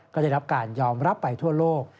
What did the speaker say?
ก็ได้รับการยอมรับไปทั่วโลก